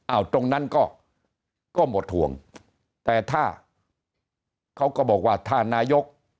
ตรงนั้นก็ก็หมดห่วงแต่ถ้าเขาก็บอกว่าถ้านายก